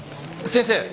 先生！